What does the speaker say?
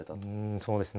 そうですね。